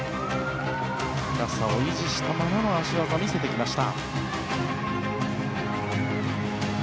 高さを維持したままの脚技を見せてきました。